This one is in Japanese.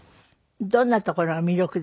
どんなところが魅力ですか？